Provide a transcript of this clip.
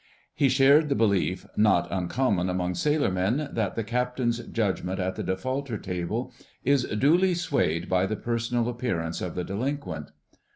He shared the belief, not uncommon among sailor men, that the Captain's judgment at the defaulter table is duly swayed by the personal appearance of the delinquent.